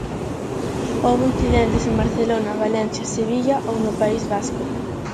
Houbo incidentes en Barcelona, Valencia, Sevilla ou no País Vasco.